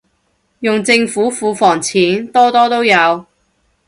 用政府庫房錢，多多都有